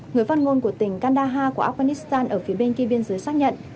người phát ngôn của tỉnh kandaha của afghanistan ở phía bên kia biên giới xác nhận